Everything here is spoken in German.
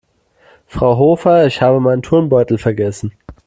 Frau Hofer, ich habe meinen Turnbeutel vergessen.